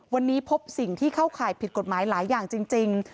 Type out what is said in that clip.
วันนี้พบสิ่งที่เข้าข่ายผิดกฎหมายหลายอย่างจริง